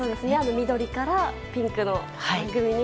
緑からピンクの番組に。